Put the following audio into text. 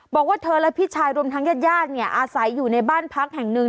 บอกว่าเธอและพี่ชายรวมทั้งญาติอาศัยอยู่ในบ้านพักแห่งหนึ่ง